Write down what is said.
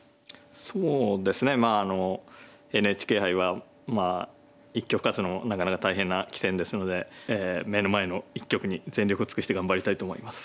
そうですねまああのＮＨＫ杯はまあ一局勝つのもなかなか大変な棋戦ですので目の前の一局に全力を尽くして頑張りたいと思います。